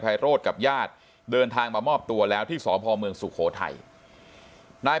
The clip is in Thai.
โรธกับญาติเดินทางมามอบตัวแล้วที่สพเมืองสุโขทัยนาย